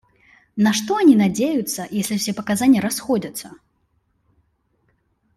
На что они надеются, если все показания расходятся?